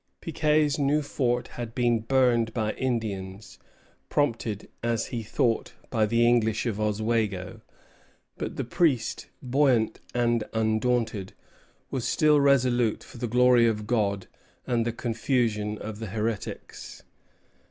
Piquet's new fort had been burned by Indians, prompted, as he thought, by the English of Oswego; but the priest, buoyant and undaunted, was still resolute for the glory of God and the confusion of the heretics.